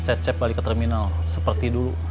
cecep balik ke terminal seperti dulu